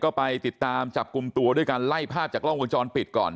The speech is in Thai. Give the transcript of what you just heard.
ก็ไปติดตามจับกลุ่มตัวด้วยการไล่ภาพจากกล้องวงจรปิดก่อน